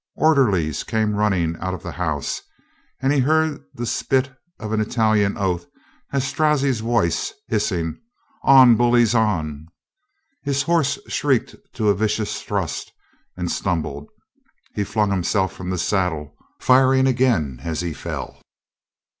Orderlies came running out of the house and he heard the spit of an Italian oath and Stroz zi's voice hissing, "On, bullies, on !" His horse shrieked to a vicious thrust and stumbled. He flung himself from the saddle, firing again as he fell.